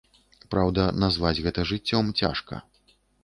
Праўда, назваць гэта жыццём цяжка.